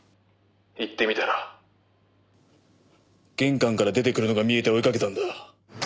行ってみたら玄関から出てくるのが見えて追いかけたんだ。